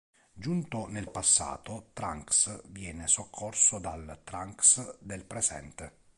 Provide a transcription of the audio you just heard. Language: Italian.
Giunto nel passato Trunks viene soccorso dal Trunks del presente.